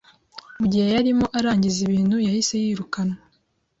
Mu gihe yari arimo arangiza ibintu, yahise yirukanwa.